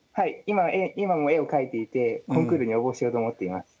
今も絵を描いていてコンクールに応募しようと思っています。